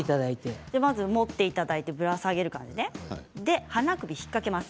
持っていただいてぶら下げる感じで花首を引っ掛けます。